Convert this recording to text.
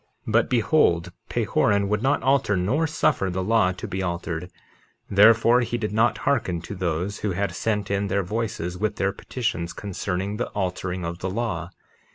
51:3 But behold, Pahoran would not alter nor suffer the law to be altered; therefore, he did not hearken to those who had sent in their voices with their petitions concerning the altering of the law.